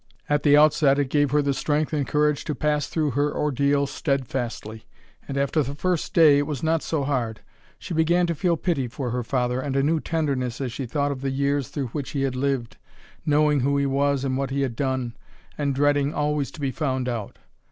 At the outset it gave her the strength and courage to pass through her ordeal steadfastly; and after the first day it was not so hard. She began to feel pity for her father and a new tenderness as she thought of the years through which he had lived, knowing who he was and what he had done, and dreading always to be found out.